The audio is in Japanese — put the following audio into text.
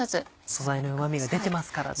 素材のうまみが出てますからね。